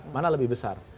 mana lebih besar